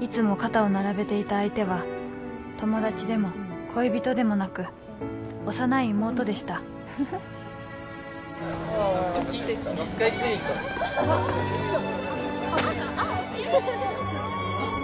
いつも肩を並べていた相手は友達でも恋人でもなく幼い妹でした聞いてスカイツリー行った